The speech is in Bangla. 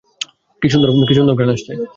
কি সুন্দর ঘ্রাণ আসছে!